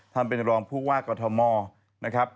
ท่านเป็นรองผู้ว่ากอทมนะครับ